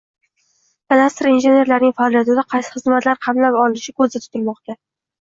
kadastr injenerlarining faoliyatida qaysi xizmatlar qamrab olinishi ko'zda tutilmoqda?